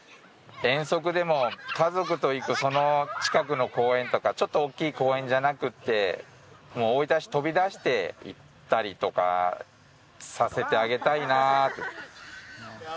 遠足でも家族と行く近くの公園とかちょっと大きい公園じゃなくてもう大分市飛び出して行ったりとかさせてあげたいな。